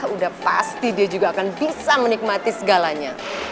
sudah pasti dia juga akan bisa menikmati segalanya